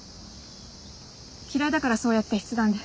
嫌いだからそうやって筆談で。